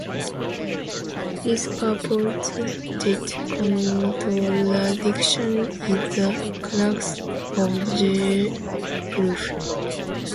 This purported contradiction is the crux of Joe's proof.